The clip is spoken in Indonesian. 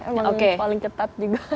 emang paling ketat juga